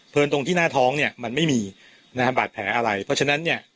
ตรงที่หน้าท้องเนี่ยมันไม่มีนะฮะบาดแผลอะไรเพราะฉะนั้นเนี่ย